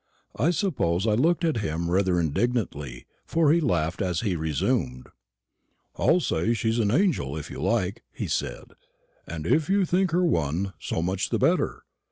I suppose I looked at him rather indignantly; for he laughed as he resumed, "I'll say she's an angel, if you like," he said; "and if you think her one, so much the better.